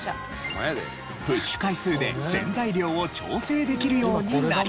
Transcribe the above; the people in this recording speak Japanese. プッシュ回数で洗剤量を調整できるようになり。